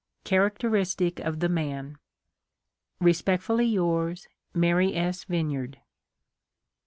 Characteristic of the man !" Respectfully yours, " Mary S. Vineyard."